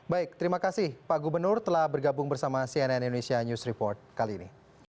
baik terima kasih pak gubernur telah bergabung bersama cnn indonesia news report kali ini